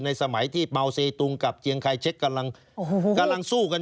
ในสมัยที่เมาเซตุงกับเจียงไคเชคกำลังสู้กันอยู่นะครับ